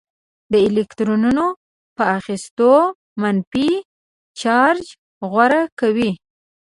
د الکترونونو په اخیستلو منفي چارج غوره کوي.